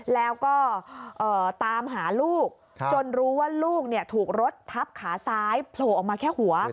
แล้วก็ตามหาลูกจนรู้ว่าลูกถูกรถทับขาซ้ายโผล่ออกมาแค่หัว